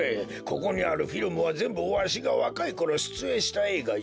ここにあるフィルムはぜんぶわしがわかいころしゅつえんしたえいがじゃ。